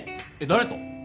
誰と？